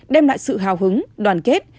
đem lại sự hào hứng đoàn kết